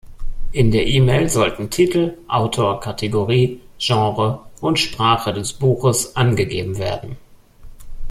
In der E-Mail sollten Titel, Autor, Kategorie, Genre und Sprache des Buches angegeben werden.